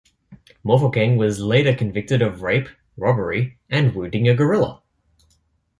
Mofokeng was later convicted of rape, robbery and wounding a gorilla.